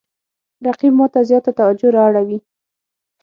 رقیب ما ته زیاته توجه را اړوي